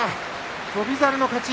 翔猿の勝ち。